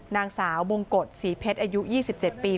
นางสาวบงกฎศรีเพชรอายุ๒๗ปี